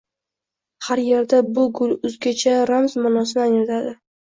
Har yerda bu gul uzgacha ramz manosini anglatadi.